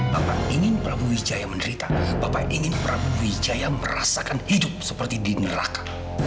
bapak ingin prabu wijaya menderita bapak ingin prabu wijaya merasakan hidup seperti di neraka